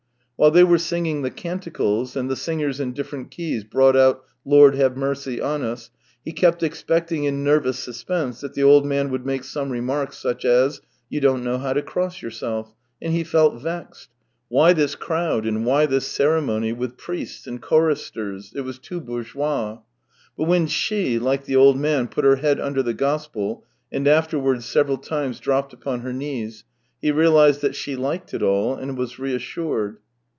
While they were singing the canticles, and the singers in different keys brought out " Lord, have mercy on us," he kept expecting in nervous suspense that the old man would make some remark such as, " You don't know how to cross yourself," and he felt vexed. Why this crowd, and why this ceremony with priests and choristers? It was too bourgeois«< But when she, like the old man, put her head under the gospel and afterwards several times dropped upon her knees, he realized that she lik( d it all, and was reassured.